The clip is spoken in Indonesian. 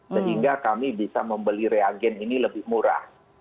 sehingga kami bisa membeli reagen ini lebih murah